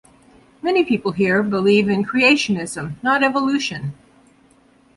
Many people here believe in creationism, not evolution.